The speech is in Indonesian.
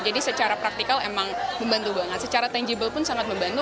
jadi secara praktikal memang membantu banget secara tangible pun sangat membantu